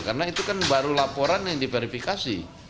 karena itu kan baru laporan yang diverifikasi